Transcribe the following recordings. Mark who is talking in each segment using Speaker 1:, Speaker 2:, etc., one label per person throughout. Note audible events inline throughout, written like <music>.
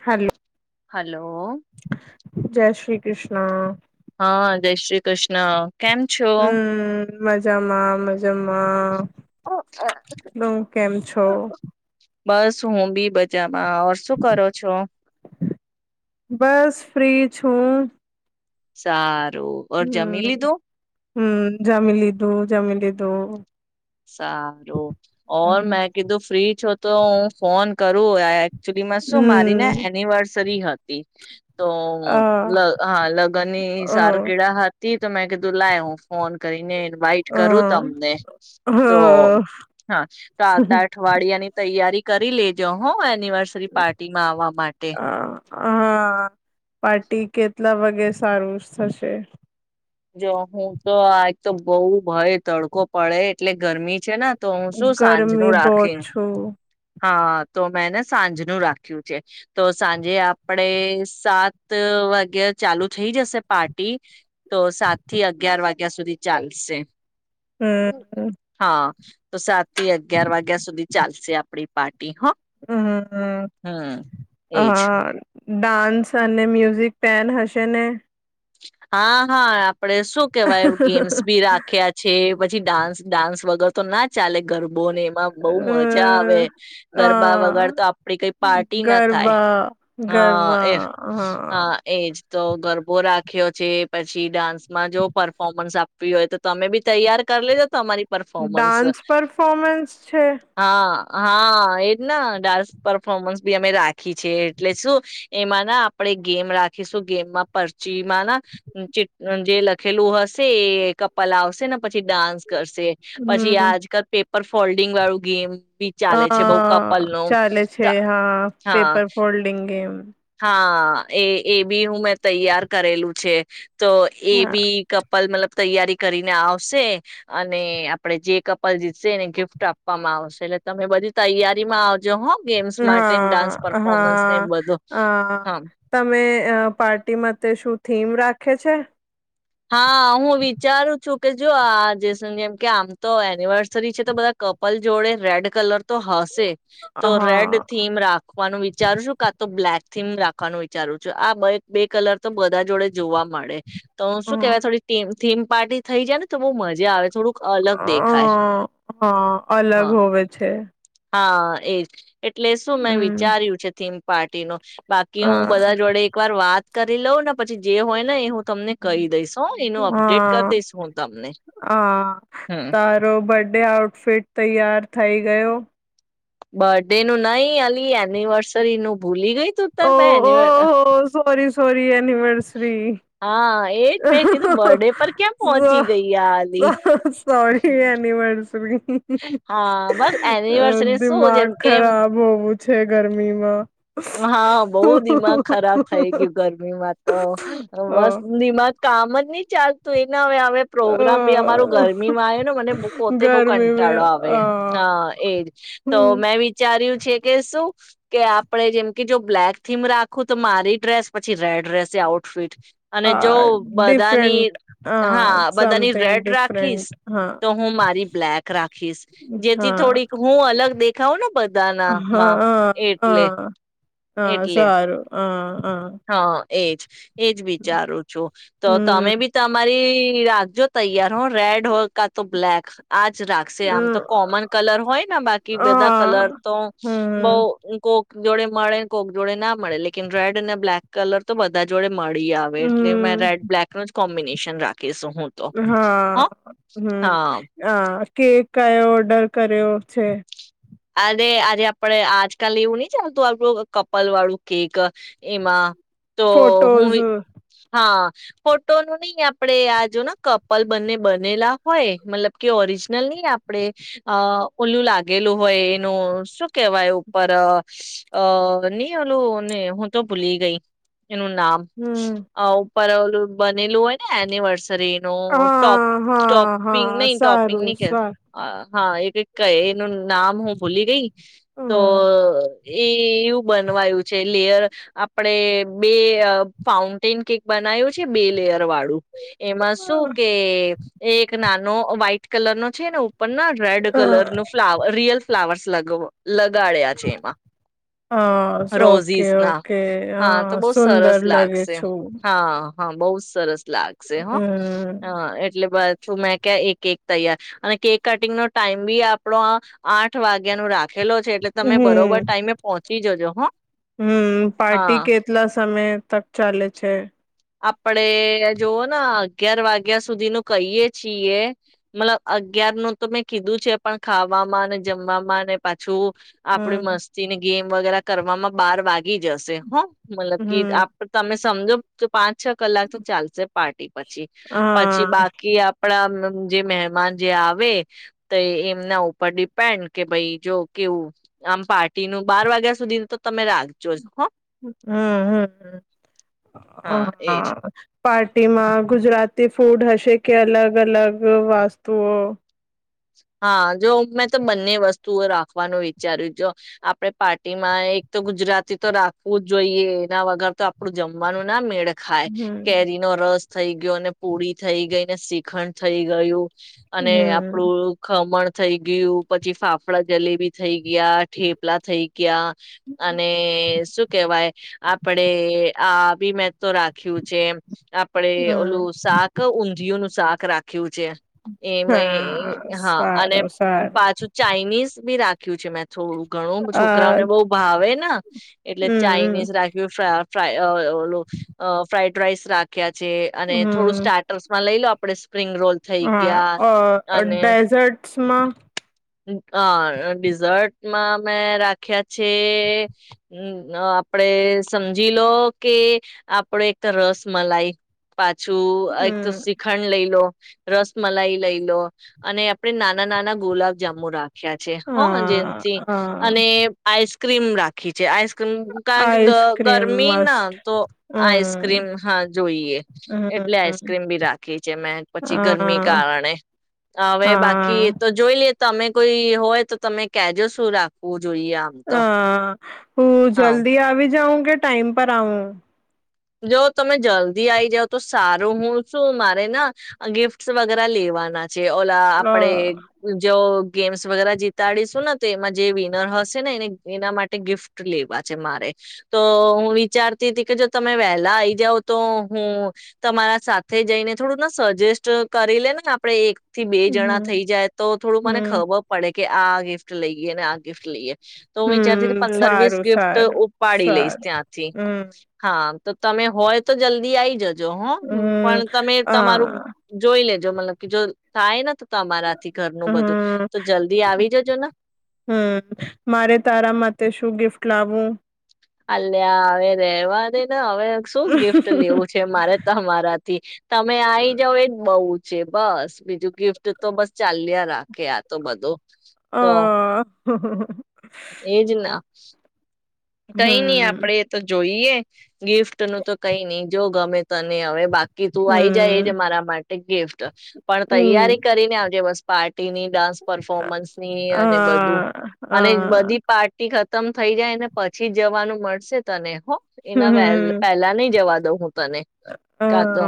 Speaker 1: હાલો.
Speaker 2: Hello.
Speaker 1: જય શ્રી કૃષ્ણ.
Speaker 2: હા જય શ્રી કૃષ્ણ. કેમ છો?
Speaker 1: હમ મજામાં મજામાં. તું કેમ છો?
Speaker 2: બસ હું બી મજા માં શું કરો છો?
Speaker 1: બસ ફ્રી છું.
Speaker 2: સાર. અર જમી
Speaker 1: હમ
Speaker 2: લીધું.
Speaker 1: હમ જમીલીધું જમીલીધું.
Speaker 2: સારું ઓર મેં કીધું ફ્રી છો તો હું ફોન. કરો. સુધિ માં શું મારી ને
Speaker 1: હમ
Speaker 2: એની વાર. સરી હાતી. તો
Speaker 1: અ
Speaker 2: લ હા લગ્ન ની
Speaker 1: અ
Speaker 2: સાર કીળા હાથ. ત તો મેં કીધું લાય હુ ફોન કરીને. વાઈટ કરું તમને. તો
Speaker 1: અ હ
Speaker 2: હા તો આતા અઠવાડિયાની. તૈયારી કરી લેજો હો. એનિવર્સરી પાર્ટી માં આવવા માટે.
Speaker 1: હા પાર્ટી કેટલા વાગે સારું થશે.
Speaker 2: જો હું તો આ એક તો બહુ ભય તડકો પડે એટલે ગરમી છે ને. તો હું શું સાંજનું
Speaker 1: ગરમી
Speaker 2: રાખી
Speaker 1: બહુત છું.
Speaker 2: હા તો મેંને સાંજ નુ રાખ્યું છે તો સાંજે આપડે સાત વાગે ચાલુ થઈ જશે પાર્ટી. તો સાત થી અગિયાર વાગે. જ્યા સુધી ચાલશે. હમ્મ
Speaker 1: હમ
Speaker 2: હા. તો સાત થી અગિયાર વાગ્યા સુધી ચાલશે આપણી પાર્ટી. હ
Speaker 1: હમ હમ
Speaker 2: હમ
Speaker 1: હ.
Speaker 2: એજ
Speaker 1: ડાન્સ અને મ્યુઝિક પેન હશે ને.
Speaker 2: હા હા. આપડે શું કેવાય ગેમ્સ બી રાખ્યા છે પછી ડાન્સ ડાન્સ વગર. તો ના. ચાલે ગરબોને એમાં બહુ મજા આવે
Speaker 1: અ
Speaker 2: ગરબા વગર તો આપડી કઈ પાર્ટી ના થાય
Speaker 1: ગરબા
Speaker 2: હ એ
Speaker 1: ગરબા
Speaker 2: હ
Speaker 1: હા
Speaker 2: એજ તો ગરબો રાખ ખ્યો છે પછી ડાન્સમાં જો પરફોર્મન્સ આપવી હોય તો તમે બી તૈયાર કરી લેજો તમારી. પરફોર્મન્સ
Speaker 1: ડાન્સ પરફોર્મન્સ છે.
Speaker 2: હા હા એજ ના ડાન્સ પરફોર્મન્સ બી અમે રાખ ખી છે એટલે શું. એમાં ના આપણે ગેમ રાખીશું ગેમમાં પર. ીમાં ના ચિટ જે લખેલું હશે એ કપલ આવશે ને પછી ડાન્સ. કરશે પછી
Speaker 1: હમ
Speaker 2: આજકાલ પે. પર ફોલ્ડિંગ વાળું ગેમ બી
Speaker 1: હ
Speaker 2: ચાલે છે બઉ કપલ નું
Speaker 1: ચાલે છે હા
Speaker 2: હા
Speaker 1: પેપર ફોલ્ડિંગ એમ. હમ.
Speaker 2: હા એ એ બી હું મેં તૈયાર કરેલું છે તો એ
Speaker 1: હા
Speaker 2: બી કપલ મતલબ તૈયારી કરીને આવશે અને આપણે જે કપલ જીતશે એને ગિફ્ટ આપવામાં આવશે એટલે તમે બધી તૈયારીમાં આવજો હો. ગેમ્સ માટે ડાન્સ
Speaker 1: હા
Speaker 2: પરફોર્મન્સ ને એ
Speaker 1: હા
Speaker 2: બધું.
Speaker 1: અ
Speaker 2: હા
Speaker 1: તમે અ પાર્ટીમાં તે શુ થીમ રાખે છે.
Speaker 2: હા હું વિચારું છું કે જો આજ જેમ કે આમ તો એનિવર્સરી છે તો બધા કપલ જોડે રેડ કલર તો હશે તો
Speaker 1: હા
Speaker 2: રેડ થીમ રાખવાનું વિચારશું કા તો બ્લેક થીમ રાખવાનું વિચારું છું આ બે કલર તો બધા જોડે જ જોવા મળે તો
Speaker 1: હા અ,
Speaker 2: શું થીમ પાર્ટી થઈ જાય ને તો બઉ મજા આવે થોડું
Speaker 1: હ હા અલગ
Speaker 2: હા
Speaker 1: હોવે છે.
Speaker 2: હા એ જ. એટલે શું મેં
Speaker 1: હમ
Speaker 2: વિચાર્યું છે થીમ પાર્ટી નો બાકી
Speaker 1: હ
Speaker 2: હું બધા જોડે એક વાર વાત કરી લઉં ને પ પછી જે હોય ને એ હું તમને કહી દઈસ હો એનું અપડેટ
Speaker 1: હા
Speaker 2: કરી દઈશ હું તમને
Speaker 1: હા
Speaker 2: હમ.
Speaker 1: તારો બર્થડે આઉટફિટ તૈયાર થઈ ગયો?
Speaker 2: બર્ડે નું નહી અલી એનિવર્સરી નું ભૂલી ગઈ તું તર
Speaker 1: ઓ
Speaker 2: મેં
Speaker 1: ઓ
Speaker 2: એનિવર
Speaker 1: હો સોરી સોરી એ નિવર્સરી.
Speaker 2: એજ મેં કીધું બર્થડે પર ક્યાં પહોંચી
Speaker 1: સો
Speaker 2: ગઈ આ અલી
Speaker 1: સો સોરી એનિવર્સરી.
Speaker 2: હા બસ એનિવર્સરી શું
Speaker 1: દિમાગ
Speaker 2: જેમ કેમ
Speaker 1: ખરાબ હોવું છે ગરમીમાં
Speaker 2: હા બવ દિમાગ ખરાબ થઈ ગયું ગરમીમાં તો
Speaker 1: અ
Speaker 2: બસ માં કામ જ ની ચાલતું એ હવે હવે
Speaker 1: અ
Speaker 2: પ્રોગ્રામ બી અમાર ગરમીમાં આવે ને મને પોતે બઉ કં
Speaker 1: ગરમી મે
Speaker 2: ટાડો આવે
Speaker 1: અ
Speaker 2: હ એજ તો
Speaker 1: હમ
Speaker 2: મેં વિચાર્યું છે કે શું કે આપડે જેમ કે જો બ્લેક થીમ રાખું તો મારી ડ્રેસ પછી રેડ રેસે આઉટફિટ અને જો
Speaker 1: આ
Speaker 2: બધાની
Speaker 1: ડિફરન્ટ અ
Speaker 2: હા બધાની
Speaker 1: સમથિંગ
Speaker 2: રેડ
Speaker 1: ડિફરન્ટ
Speaker 2: રાખીશ
Speaker 1: હા
Speaker 2: તો હું મારી બ્લેક. રાખીશ જેથી
Speaker 1: હા
Speaker 2: થોડીક હું અલગ દેખ ખાવનું બધાનામાં
Speaker 1: હા
Speaker 2: એટલે.
Speaker 1: હા હા
Speaker 2: એટલે
Speaker 1: સારું હ. હા.
Speaker 2: એજ. એજ વિચારું છું તો
Speaker 1: હમ
Speaker 2: તમે બી તમારી. રાખજો તૈયાર હો રેડ હો કા તો બ્લક આજ. રાખશે આમ તો કોમન કલર હોયને બાકી બધા
Speaker 1: હા
Speaker 2: કલર તો બઉ.
Speaker 1: હમ
Speaker 2: જોડે મળે કોક જોડે ના મળે લેકન રેડ. ને બ્લેક કલર તો બધા જોડે મળી આવે એટલે મે
Speaker 1: હમ
Speaker 2: રેડ બ્લેક કોમ્બિનેશન રાખીશું. હું તો હ
Speaker 1: હા હમ
Speaker 2: હા
Speaker 1: હ. કે કયો ઓર્ડર કર્યો છે?
Speaker 2: અરે આજે આપડ આજકાલ એવું નહી ચાલતું આપણું કપલ વાળું કેક એમાં. તો હું
Speaker 1: ફોટોઝ
Speaker 2: હા. ફોટોનું નહી આપણે આ જો ને કપલ બંને બનેલા હોય મતલબ કે ઓરિજનલ નઈ આપડે અ ઓલું લાગેલું. હોય એનું શું કેવાય ઉપર અ ની ઓલું ને હું તો ભૂલી ગઈ. એનું નામ.
Speaker 1: હમ
Speaker 2: પર ઓલું બનેલું હોય ને એનિવર્સ રીનુ ટોપ
Speaker 1: હા હા
Speaker 2: ટોપિંગ
Speaker 1: હા
Speaker 2: નઈ ટોપિંગ
Speaker 1: સારું
Speaker 2: નઈ કે
Speaker 1: સારું
Speaker 2: હા <unintelligible> ક એનું નામ હું ભૂલી ગઈ તો એ એવું બનવા આવ્યું છે, લેયર આપડે બે ફાઉન્ટેન કેક બનાવ્યું છે બે લેયર વાળું. એમાં શું કે, એક ના નો વ્હાઈટ કલર નો છે ને ઉપ ર ના રેડ કલર
Speaker 1: હમ.
Speaker 2: નો ફ્લા રિયલ ફ્લાવર્સ લગવો લગાડ્યા છે એમાં.
Speaker 1: હા ઓકે
Speaker 2: રોઝિસ ના
Speaker 1: ઓકે
Speaker 2: હા તો બહુ
Speaker 1: સુંદર
Speaker 2: સરસ
Speaker 1: લાગે
Speaker 2: લાગશે
Speaker 1: છું
Speaker 2: હા. હા બહુ જ સરસ લાગશે હો
Speaker 1: હમ
Speaker 2: હા એટલે બધ શું મેં ક્યા એ કેક તૈયાર અને કેક કટિંગ નો ટાઈમ બી આપણો આ આઠ વાગ્યાનું રાત લખેલો છે, એટલે તમે બરોબર
Speaker 1: હમ
Speaker 2: ટાઈમે પહોંચી જજો. હા
Speaker 1: હમ પાર્ટી કેટલા સામે તક ચાલે છે.
Speaker 2: આપડે જોવો ના અગિયાર વાગ્યા સુધી નું કહીયએ છીએ મતલબ અગિયાર નું તો મેં કીધું છે, પણ ખાવામાં ને જમવામાં અને પાછું આપડે
Speaker 1: હમ
Speaker 2: મસ્તી ની ગેમ વગેરા કરવામાં બાર વાગી જશે હા. મતલબ કે
Speaker 1: હમ
Speaker 2: આપ તમે સમજો તો પાંચ છ કલાક તો ચાલશે. પાર્ટી. પછી પછી
Speaker 1: હા
Speaker 2: બાકી આપણા જે મહેમાન જે આવે, તે એમના ઉપર ડિપેન્ડ કે ભાઈ જો કેવું આમ પાર્ટીનુ બાર વાગ્યા સુધી તો તમે રાખજો જ હા
Speaker 1: હમ્મ હમ્મ.
Speaker 2: હા એજ
Speaker 1: હા પાર્ટીમાં ગુજરાતી ફૂડ હશે કે અલગ અલગ વાસ્તુઓ
Speaker 2: હા જો મેં તો બંને વસ્તુઓ રાખવાનું વિચાર્યું, જો આપડે પાર્ટી માં એક તો ગુજરાતી તો રાખવું જોઈએ એના વગર તો આપડું જમવાનું ના મેળ ખાય
Speaker 1: હમ
Speaker 2: કેરી નો રસ થઈ ગયો અને પૂરી થઈ ગઈ, ને શીખંડ થઈ ગયું અને
Speaker 1: હમ
Speaker 2: આપડું ખમણ થઈ ગયું, પછી ફાફડા જલેબી થઈ ગયા ઠેપલા થઈ ગયા ગયા અને શું કેવાય આપડે આ બી મે તો રાખ્યું છે આપડે
Speaker 1: હમ
Speaker 2: ઓલું શાક ઊંધીયો નું શાક રાખ્યું છે એમ
Speaker 1: હા
Speaker 2: હા અને
Speaker 1: સારું સારું
Speaker 2: પાછું ચાઇનીઝ બી રાખ્યું છે મે થોડું ઘણું
Speaker 1: અ
Speaker 2: છોકરાઓને બઉ ભાવે ને એટલે
Speaker 1: હમ
Speaker 2: ચાાઈનીઝ રાખ પ્ર <unintelligible> લો ફ્રાઇ ડ્રેઇસ રાખ્યા. છે, અને
Speaker 1: હમ
Speaker 2: થોડું
Speaker 1: હમ
Speaker 2: સ્ટાર્ટર્સ માં લઈ લો આમ આપણે સ્પ્રિંગ રોલ થઈ ગયા.
Speaker 1: ડેઝર્ટ સમાં
Speaker 2: હ ડિઝર્ટમાં મેં રાખ્યા છે આપડે સમજી લો કે આપડ એક તો રસ મલાય પાછું એક તો
Speaker 1: હમ
Speaker 2: શીખડ લઈ લો. રસ મલાઈ લઈ લો અને આપડે નાના નાના ગુલાબ જામુરા રાખ્યા છે હો
Speaker 1: હા
Speaker 2: જેમથી
Speaker 1: હા
Speaker 2: અને આઇસ ક્રીમ રાખી છે આઈસ કારણ કે
Speaker 1: આઈસક્રીમ
Speaker 2: ગરમી ના
Speaker 1: મસ્ટ
Speaker 2: તો આઈસ્ક્રીમ
Speaker 1: હમ
Speaker 2: હા જોઈએ એટલે
Speaker 1: હમ
Speaker 2: આઈસ્ક્રીમ બી રાખી છે મેં પછી ગરમી
Speaker 1: હા
Speaker 2: કારણે હવે બાકી
Speaker 1: હા
Speaker 2: એ તો જોઈ લે તમે કોઈ હોય તો તમે કેજો શું રાખવું જોઈએ આમ તો.
Speaker 1: હા હું
Speaker 2: હા
Speaker 1: જલ્દી આવી જાઉ કે ટાઈમ પર આવું?
Speaker 2: જો તમે જલ્દી આઈ જાવ તો સારું. હું શું મારે ના ગિફ્ટ વગેરે લેવાના જે ઓલા
Speaker 1: અ,
Speaker 2: આપડે જે ઓ ગેમ્સ વગેરે જીતાડીશું ને તો એમાં જે વિનર હશે ને એને એના માટે ગિફ્ટ લેવા છે મારે તો હું વિચારતી હતી કે જો તમે વહેલા આઈ જાવ તો હું તમારા સાથે જઈને થોડું ના સજેસ્ટ કરી લે ને આપડે એક થી બે જણા
Speaker 1: હમ
Speaker 2: થઈ જાય તો થોડું મને
Speaker 1: હમ
Speaker 2: ખબર પડે કે આ ગિફ્ટ લઈએ ને આ ગિફ્ટ લઈએ. તો હું વિચારતી કે
Speaker 1: હમ
Speaker 2: પંદર વીસ
Speaker 1: સારું
Speaker 2: ગિફ્ટ
Speaker 1: સારું
Speaker 2: ઉપાડી લઈશ
Speaker 1: સારું
Speaker 2: ત્યાંથી.
Speaker 1: હમ
Speaker 2: હા તો તમે હોય તો જલ્દી આઈ જજ. જો હો
Speaker 1: હમ
Speaker 2: પણ તમે તમારું
Speaker 1: હા
Speaker 2: જોઈ લે જો મતલબ કે જો થાય ના તમારાથી ઘરનું બધું
Speaker 1: હમ
Speaker 2: તો જલ્દી આવી જજો ના.
Speaker 1: હમ ટ લાવું?
Speaker 2: અલ્યા હવે રહેવા દેના. હવે શું ગિફ્ટ લેવું છે મારે તો હમારા થી. તમે આવી જાવ એ જ બઉ. છે બસ બીજું ગિફ્ટ તો બસ ચાલ્યા રાખે આ તો બધું.
Speaker 1: અહ.
Speaker 2: એજના. કઈ નઈ
Speaker 1: હમ
Speaker 2: આપડે એ તો જોઈ. ઈએ ગિફ્ટ નું તો કઈ નહી જો ગમે તને હવે બાકી તું આવી જાય એ જ
Speaker 1: હમ
Speaker 2: મારા માટે ગિફ્ટ પણ તૈયારી
Speaker 1: હમ
Speaker 2: કરીને આવજે વસ પાર્ટ ટીની ડાન્સ પરફોર્મન્સની અને બધું
Speaker 1: હા
Speaker 2: અને
Speaker 1: હા
Speaker 2: બધી પાર્ટી ખત ત્તમ થઈ જાય અને પછી જ જવાનું મળશે તને હો. એના વહેલ
Speaker 1: હમ
Speaker 2: પહેલા નહી જવા દવ. તને કા તો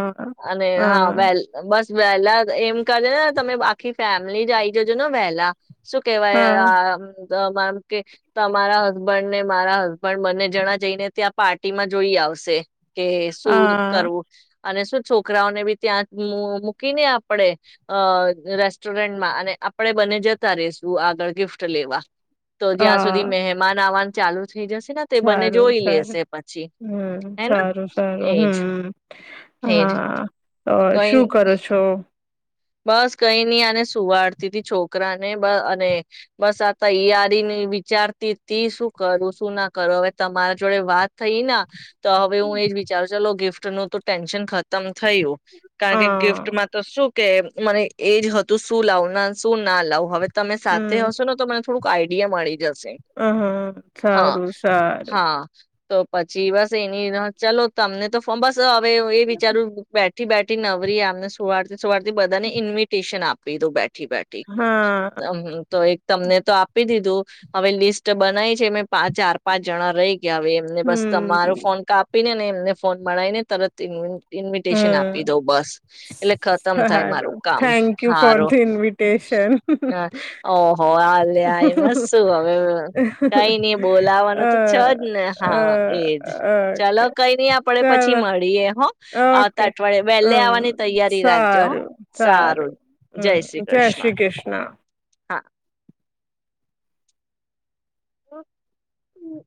Speaker 2: અને હા વેલ બસ વેહેલા એમ કરે ને તમે આખી ફેમલી જ આઈ જજો ને વહેલા. શું કેવાય
Speaker 1: હા
Speaker 2: આ અમ કે તમારા હસબન્ડ ને મારા હસબન્ડ બને જણા જઈને ત્યાં પાર્ટી માં જોઈ આવશે. કે શું
Speaker 1: હા
Speaker 2: કરવુ? અને શું છોકરાઓને બી ત્યાં મૂકીને આપડણે અ રેસ્ટોરન્ટમાં અને આપણેે બને જતા રશું આગળ ગિફ્ટ લેવા. તો જ્યાં સુધી
Speaker 1: હા
Speaker 2: મહેમાન આવવાનું ચાલુ થઈ જશે ને તે બંને
Speaker 1: સારું
Speaker 2: જોઈ
Speaker 1: સારું
Speaker 2: લેશે પછી
Speaker 1: હમ
Speaker 2: હેના
Speaker 1: સારું સારું
Speaker 2: એજ
Speaker 1: હમ.
Speaker 2: એજ કઈ
Speaker 1: હા તો શું કરો છો?
Speaker 2: બસ કઈ નઈ આને સુવાડતી તી છોકરા ને બ અને બસ આ તૈયારીની વિચારતી ત શું કરું શું ના કરું હવે તમારા જોડે વાત થઈ ના તો હવે હું એજ વિચારું ચલો ગિફ્ટ નું તો ટેન્શન ખતમ થયું. કારણ કે
Speaker 1: હા
Speaker 2: ગિફ્ટમાં તો શું તેમ મને એ જ હતું, શું લાવ શું ના લાવ હવે તમે સાથે
Speaker 1: હમ
Speaker 2: હશો, ને તો મને થોડું આઈડિયા મળી જશે.
Speaker 1: હ, હ,
Speaker 2: હા
Speaker 1: સારું- સારું.
Speaker 2: હા તો પછી બસ એની ચલો તમને તો ફોર્મસ હવે એ વિચારું બેઠ થી બેઠી નવરી આમને સવારથી સવારથી બધા ને ઇન્વિટેશન આપ પી દીધું. ઠિ બા ઠિ,
Speaker 1: હા
Speaker 2: ત હુ તો એક. તમને તો આપી દીધું હવે લિસ્ટ બનાય છે, મેં ચાર પાંચ જણા રહી ગ્યા કે હવે એમને બસ
Speaker 1: હમ
Speaker 2: તમારો ફોન કાપીને ને ને ફોન મળાય ને તરતથી. ઇન્વિટેશન આપી
Speaker 1: હમ
Speaker 2: દઉ બસ, એટલે <unintelligible> થાય મારું
Speaker 1: સારું
Speaker 2: કામ
Speaker 1: થેન્ક યુ ફોર
Speaker 2: હારું
Speaker 1: ધી ઇન્વિટેશન
Speaker 2: ઓહો હ લ્યા મસ્તું હવે કઈ નઈ બોલાવાનું
Speaker 1: અ
Speaker 2: તો છેજ ને હા એજ
Speaker 1: અ
Speaker 2: ચાલો
Speaker 1: ઓકે
Speaker 2: કઈ નઈ આપડે પછી
Speaker 1: ચાલો
Speaker 2: મળીએ. આવતાં
Speaker 1: ઓકે
Speaker 2: અઠવાડિયે વહેલે
Speaker 1: હમ
Speaker 2: આવવાની તૈયારી રાખ.
Speaker 1: સારું સારું,
Speaker 2: શ્રી
Speaker 1: હમ જય
Speaker 2: કૃષ્ણ
Speaker 1: શ્રી કૃષ્ણ.
Speaker 2: હા હ, હ.